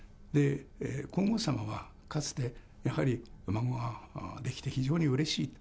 皇后さまは、かつてやはりお孫ができて非常にうれしいと。